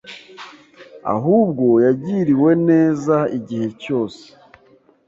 Ahubwo yagiriwe neza igihe cyose,